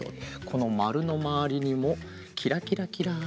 このまるのまわりにもキラキラキラ。